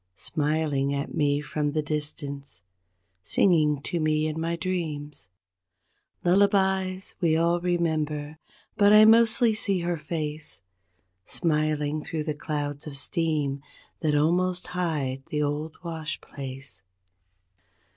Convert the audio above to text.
Smiling at me from the distance, singing to me in my dreams Lullabies we all remember; but I mostly see her face Smiling through the clouds of steam that almost hide the old wash place.